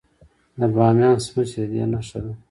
د بامیان سمڅې د دې نښه ده